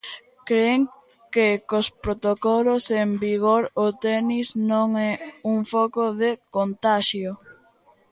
Cren que cos protocolos en vigor o tenis non é un foco de contaxio.